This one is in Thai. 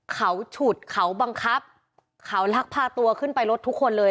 เขาฉุดเขาบังคับเขาลักพาตัวขึ้นไปรถทุกคนเลย